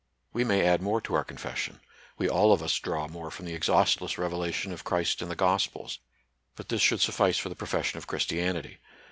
We may add more to our con fession : we all of us draw more from the ex haustless revelation of Christ in the gospels; but this should suffice for the profession of Christianity.